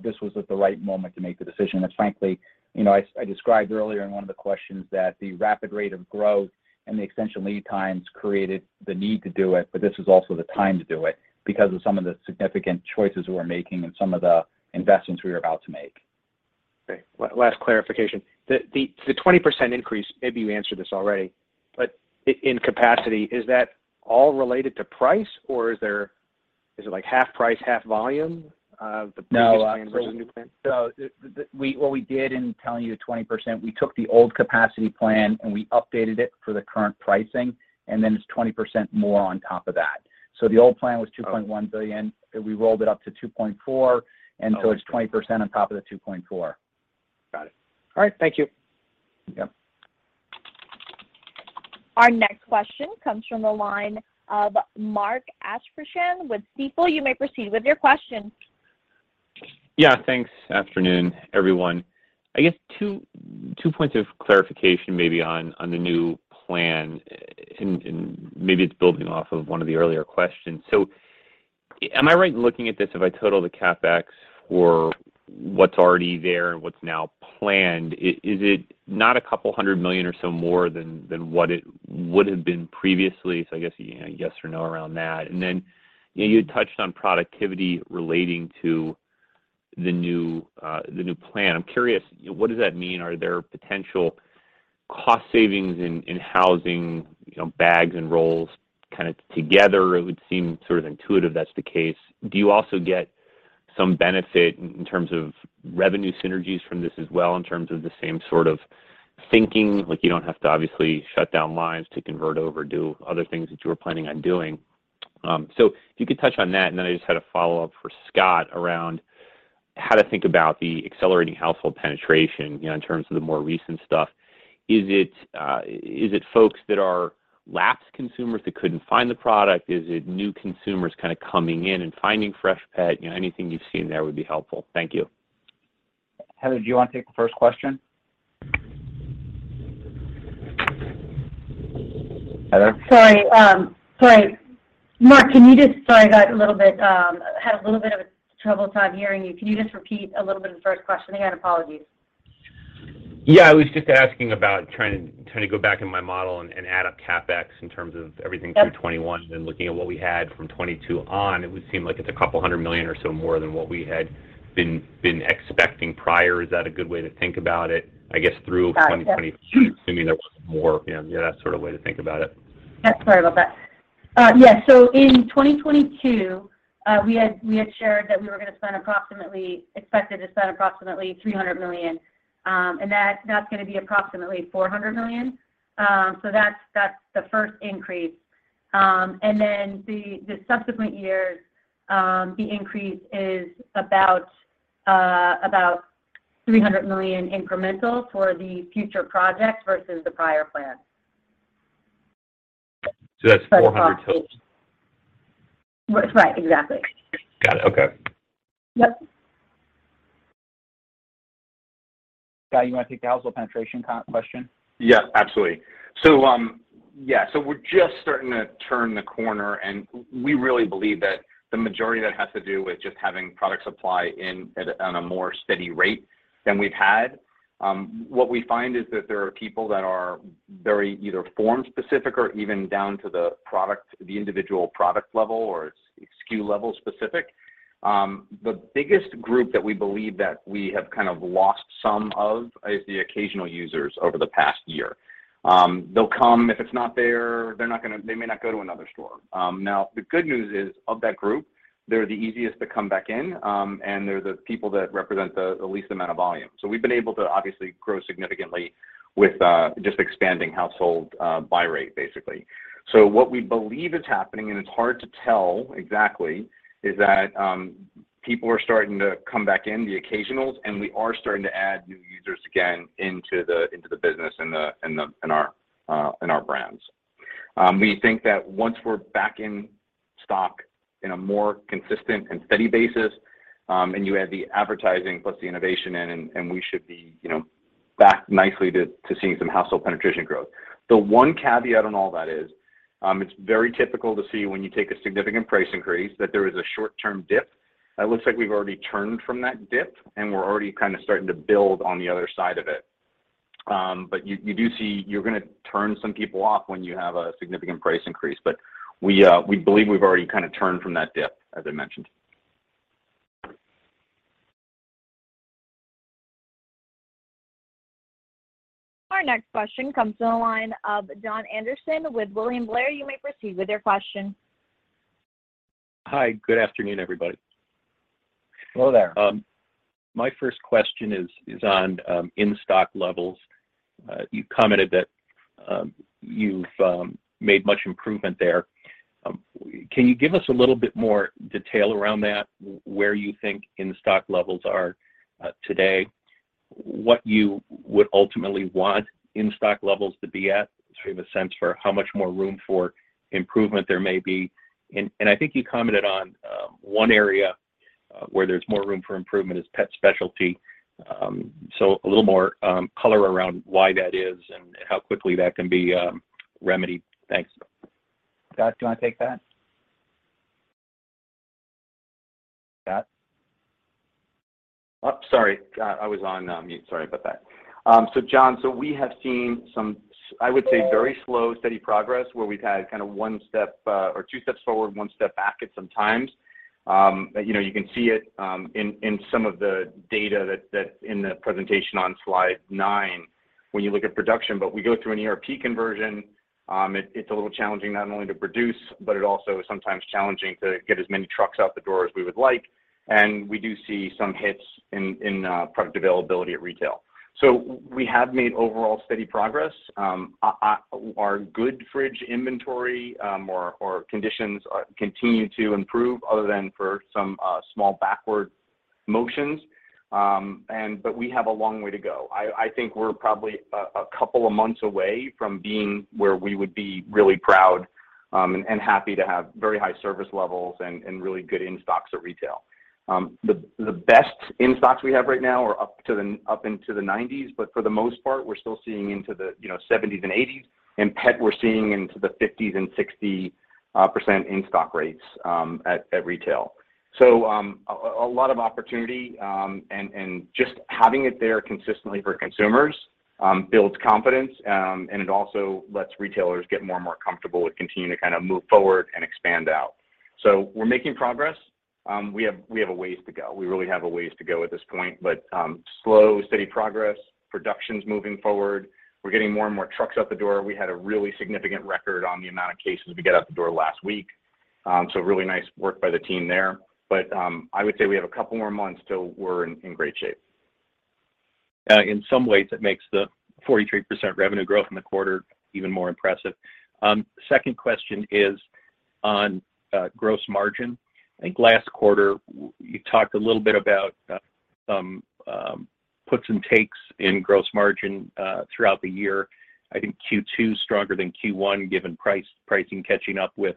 This was at the right moment to make the decision. Frankly, you know, I described earlier in one of the questions that the rapid rate of growth and the extension lead times created the need to do it, but this was also the time to do it because of some of the significant choices we're making and some of the investments we are about to make. Okay. Last clarification. The 20% increase, maybe you answered this already, but in capacity, is that all related to price or is there, is it like half price, half volume of the previous? No. Plan versus new plan? What we did in telling you the 20%, we took the old capacity plan, and we updated it for the current pricing, and then it's 20% more on top of that. The old plan was $2.1 billion. Okay. We rolled it up to 2.4. Okay. It's 20% on top of the 2.4. Got it. All right. Thank you. Yep. Our next question comes from the line of Mark Astrachan with Stifel. You may proceed with your question. Yeah, thanks. Afternoon everyone. I guess two points of clarification maybe on the new plan and maybe it's building off of one of the earlier questions. Am I right in looking at this, if I total the CapEx for what's already there and what's now planned, is it not $200 million or so more than what it would have been previously? I guess, you know, yes or no around that. You know, you had touched on productivity relating to the new plan. I'm curious, what does that mean? Are there potential cost savings in housing, you know, bags and rolls kind of together? It would seem sort of intuitive that's the case. Do you also get some benefit in terms of revenue synergies from this as well in terms of the same sort of thinking, like you don't have to obviously shut down lines to convert over, do other things that you were planning on doing? If you could touch on that, and then I just had a follow-up for Scott around how to think about the accelerating household penetration, you know, in terms of the more recent stuff. Is it, is it folks that are lapsed consumers that couldn't find the product? Is it new consumers kind of coming in and finding Freshpet? You know, anything you've seen there would be helpful. Thank you. Heather, do you want to take the first question? Heather? Sorry. Sorry, Mark. Sorry, had a little bit of a tough time hearing you. Can you just repeat a little bit of the first question again? Apologies. Yeah. I was just asking about trying to go back in my model and add up CapEx in terms of everything. Yep Through 2021 and looking at what we had from 2022 on, it would seem like it's $200 million or so more than what we had been expecting prior. Is that a good way to think about it, I guess, through- Got it. Yep 2022, assuming there was more? Yeah, yeah, that sort of way to think about it. Yep. Sorry about that. In 2022, we had shared that we expected to spend approximately $300 million, and that's gonna be approximately $400 million. That's the first increase. The subsequent years, the increase is about $300 million incremental for the future projects versus the prior plan. That's 400 total. Right. Exactly. Got it. Okay. Yep. Scott, you wanna take the household penetration question? Yeah, absolutely. We're just starting to turn the corner, and we really believe that the majority of that has to do with just having product supply in on a more steady rate than we've had. What we find is that there are people that are very either form specific or even down to the product, the individual product level or SKU level specific. The biggest group that we believe that we have kind of lost some of is the occasional users over the past year. They'll come. If it's not there, they're not gonna. They may not go to another store. Now, the good news is, of that group, they're the easiest to come back in, and they're the people that represent the least amount of volume. We've been able to obviously grow significantly with just expanding household buy rate, basically. What we believe is happening, and it's hard to tell exactly, is that people are starting to come back in, the occasionals, and we are starting to add new users again into the business and our brands. We think that once we're back in stock in a more consistent and steady basis, and you add the advertising plus the innovation in, and we should be, you know, back nicely to seeing some household penetration growth. The one caveat on all that is, it's very typical to see when you take a significant price increase that there is a short-term dip. It looks like we've already turned from that dip, and we're already kinda starting to build on the other side of it. You do see you're gonna turn some people off when you have a significant price increase. We believe we've already kinda turned from that dip, as I mentioned. Our next question comes from the line of Jon Andersen with William Blair. You may proceed with your question. Hi. Good afternoon everybody. Hello there. My first question is on in-stock levels. You commented that you've made much improvement there. Can you give us a little bit more detail around that, where you think in-stock levels are today, what you would ultimately want in-stock levels to be at, so we have a sense for how much more room for improvement there may be? I think you commented on one area where there's more room for improvement is pet specialty. A little more color around why that is and how quickly that can be remedied. Thanks. Scott, do you wanna take that? Scott? Oh, sorry. I was on mute. Sorry about that. Jon, we have seen some I would say very slow, steady progress, where we've had kinda one step or two steps forward, one step back at some times. You know, you can see it in some of the data that's in the presentation on slide 9. When you look at production, we go through an ERP conversion, it's a little challenging not only to produce, but it also is sometimes challenging to get as many trucks out the door as we would like, and we do see some hits in product availability at retail. We have made overall steady progress. Our good fridge inventory or conditions continue to improve other than for some small backward motions. We have a long way to go. I think we're probably a couple of months away from being where we would be really proud and happy to have very high service levels and really good in-stocks at retail. The best in-stocks we have right now are up into the 90s, but for the most part, we're still seeing into the, you know, 70s and 80s. In pet, we're seeing into the 50s and 60% in-stock rates at retail. A lot of opportunity and just having it there consistently for consumers builds confidence and it also lets retailers get more and more comfortable to continue to kind of move forward and expand out. We're making progress. We have a ways to go. We really have a ways to go at this point. Slow, steady progress. Production's moving forward. We're getting more and more trucks out the door. We had a really significant record on the amount of cases we got out the door last week, so really nice work by the team there. I would say we have a couple more months till we're in great shape. In some ways, it makes the 43% revenue growth in the quarter even more impressive. Second question is on gross margin. I think last quarter you talked a little bit about some puts and takes in gross margin throughout the year. I think Q2 is stronger than Q1, given pricing catching up with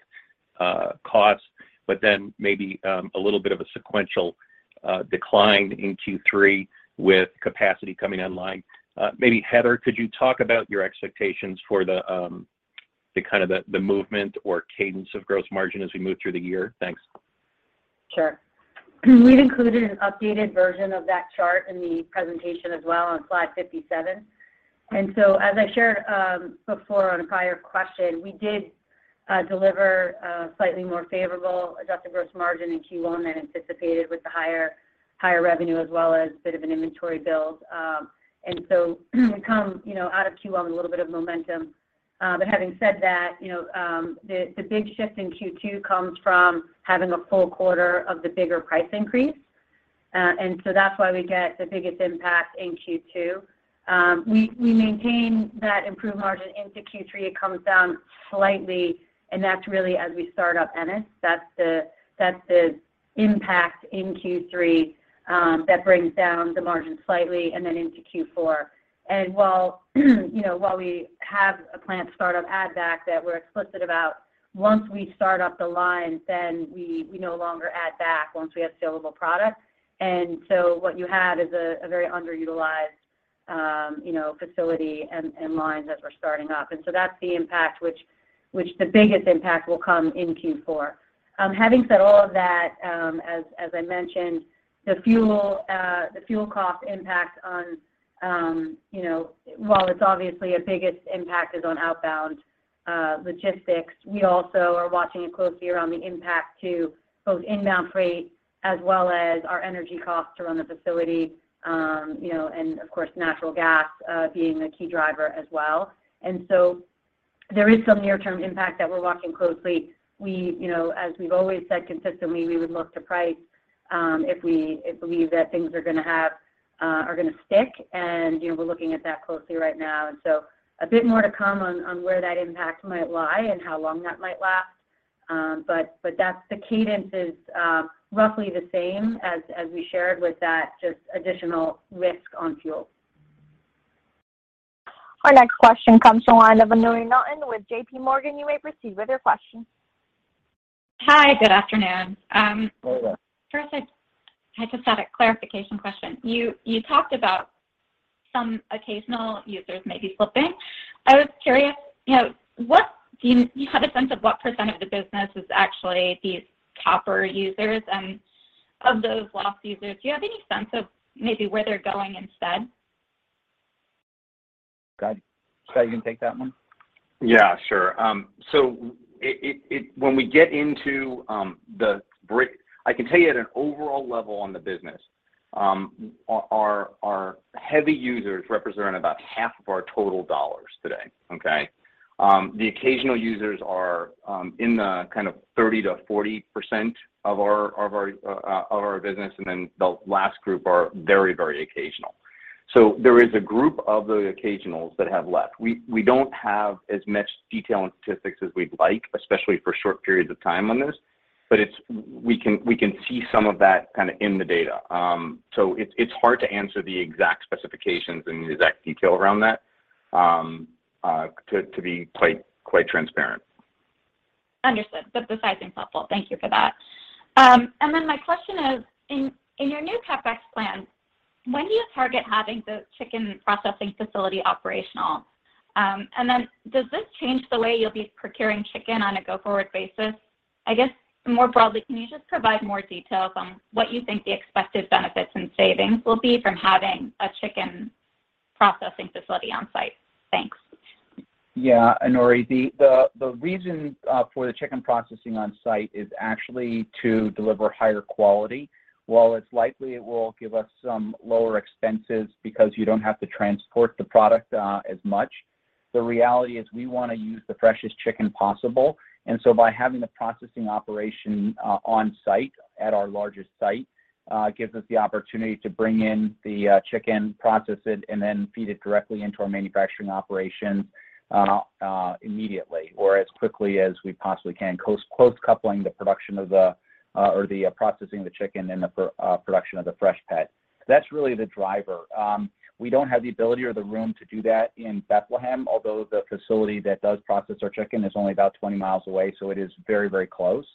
costs, but then maybe a little bit of a sequential decline in Q3 with capacity coming online. Maybe Heather, could you talk about your expectations for the kind of movement or cadence of gross margin as we move through the year? Thanks. Sure. We've included an updated version of that chart in the presentation as well on slide 57. As I shared before on a prior question, we did deliver a slightly more favorable adjusted gross margin in Q1 than anticipated with the higher revenue as well as a bit of an inventory build. We come, you know, out of Q1 with a little bit of momentum. But having said that, you know, the big shift in Q2 comes from having a full quarter of the bigger price increase. That's why we get the biggest impact in Q2. We maintain that improved margin into Q3. It comes down slightly, and that's really as we start up Ennis. That's the impact in Q3 that brings down the margin slightly and then into Q4. While we have a plant start-up add back that we're explicit about, once we start up the line, then we no longer add back once we have saleable product. What you had is a very underutilized facility and lines as we're starting up. That's the impact, which the biggest impact will come in Q4. Having said all of that, as I mentioned, the fuel cost impact, while it's obviously the biggest impact is on outbound logistics, we also are watching it closely around the impact to both inbound freight as well as our energy costs to run the facility, and of course, natural gas being a key driver as well. There is some near-term impact that we're watching closely. We, you know, as we've always said consistently, we would look to price if we believe that things are gonna stick. You know, we're looking at that closely right now. A bit more to come on where that impact might lie and how long that might last. But that's the cadence is roughly the same as we shared with that, just additional risk on fuel. Our next question comes from the line of Anuri Ann with J.P. Morgan. You may proceed with your question. Hi, good afternoon. Hello. First, I just had a clarification question. You talked about some occasional users maybe slipping. I was curious, you know, what do you have a sense of what % of the business is actually these topper users? And of those lost users, do you have any sense of maybe where they're going instead? Scott. Scott, you can take that one. Yeah, sure. When we get into the break, I can tell you at an overall level on the business, our heavy users represent about half of our total dollars today, okay? The occasional users are in the kind of 30%-40% of our business, and then the last group are very occasional. There is a group of the occasionals that have left. We don't have as much detail and statistics as we'd like, especially for short periods of time on this, but we can see some of that kind of in the data. It's hard to answer the exact specifications and the exact detail around that, to be quite transparent. Understood. The sizing's helpful. Thank you for that. My question is, in your new CapEx plan, when do you target having the chicken processing facility operational? Does this change the way you'll be procuring chicken on a go-forward basis? I guess more broadly, can you just provide more details on what you think the expected benefits and savings will be from having a chicken processing facility on site? Thanks. Yeah, Anuri, the reason for the chicken processing on site is actually to deliver higher quality. While it's likely it will give us some lower expenses because you don't have to transport the product as much, the reality is we wanna use the freshest chicken possible. By having the processing operation on site at our largest site gives us the opportunity to bring in the chicken, process it, and then feed it directly into our manufacturing operation immediately or as quickly as we possibly can. Close coupling the processing of the chicken and the production of the Freshpet. That's really the driver. We don't have the ability or the room to do that in Bethlehem, although the facility that does process our chicken is only about 20 miles away, so it is very, very close,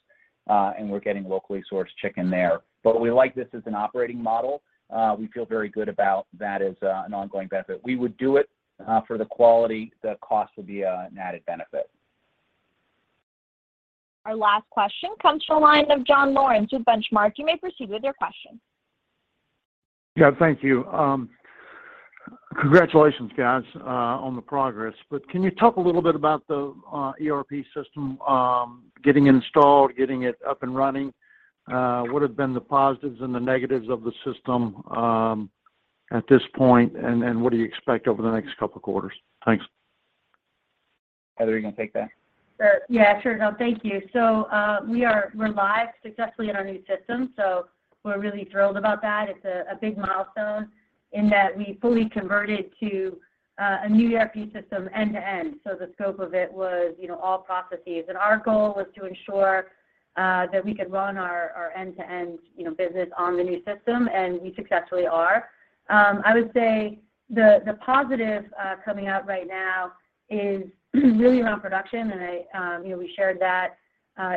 and we're getting locally sourced chicken there. We like this as an operating model. We feel very good about that as an ongoing benefit. We would do it for the quality. The cost would be an added benefit. Our last question comes from the line of Jon Lawrence with Benchmark. You may proceed with your question. Yeah thank you. Congratulations guys on the progress. Can you talk a little bit about the ERP system, getting installed, getting it up and running? What have been the positives and the negatives of the system, at this point, and what do you expect over the next couple of quarters? Thanks. Heather, you gonna take that? Sure. Yeah, sure. No, thank you. We're live successfully in our new system, so we're really thrilled about that. It's a big milestone in that we fully converted to a new ERP system end to end. The scope of it was, you know, all processes. Our goal was to ensure that we could run our end-to-end, you know, business on the new system, and we successfully are. I would say the positive coming out right now is really around production, and I, you know, we shared that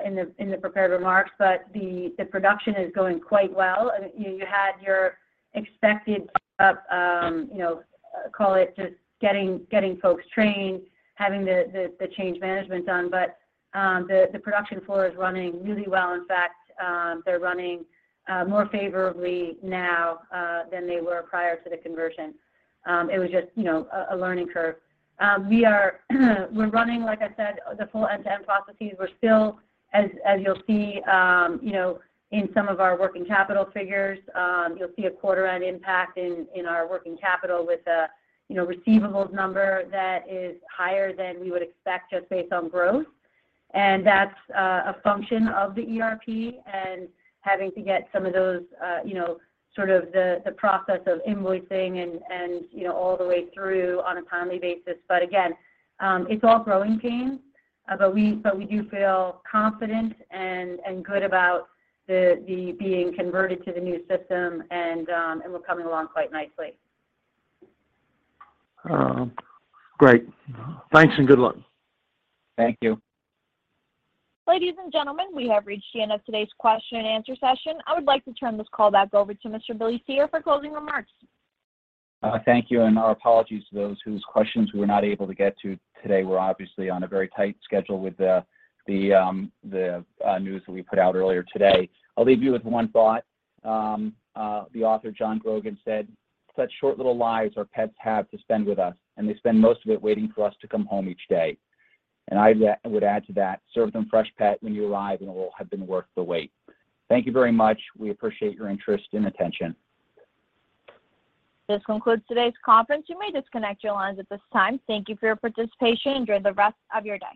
in the prepared remarks. The production is going quite well. You had your expected up, you know, call it just getting folks trained, having the change management done. The production floor is running really well. In fact, they're running more favorably now than they were prior to the conversion. It was just, you know, a learning curve. We're running, like I said, the full end-to-end processes. We're still, as you'll see, you know, in some of our working capital figures, you'll see a quarter end impact in our working capital with a, you know, receivables number that is higher than we would expect just based on growth. That's a function of the ERP and having to get some of those, you know, sort of the process of invoicing and all the way through on a timely basis. Again, it's all growing pains, but we do feel confident and good about the being converted to the new system and we're coming along quite nicely. Great. Thanks and good luck. Thank you. Ladies and gentlemen, we have reached the end of today's question and answer session. I would like to turn this call back over to Mr. Billy Cyr for closing remarks. Thank you, and our apologies to those whose questions we were not able to get to today. We're obviously on a very tight schedule with the news that we put out earlier today. I'll leave you with one thought. The author John Grogan said, "Such short little lives our pets have to spend with us, and they spend most of it waiting for us to come home each day." I would add to that, serve them Freshpet when you arrive, and it will have been worth the wait. Thank you very much. We appreciate your interest and attention. This concludes today's conference. You may disconnect your lines at this time. Thank you for your participation. Enjoy the rest of your day.